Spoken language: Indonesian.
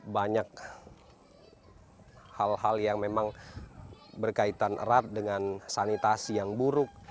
banyak hal hal yang memang berkaitan erat dengan sanitasi yang buruk